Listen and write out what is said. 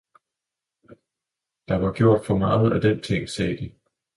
Der var gjort for meget af den ting, sagde de.